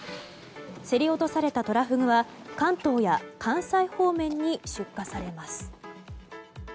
競り落とされたトラフグは関東や関西方面に出荷されます。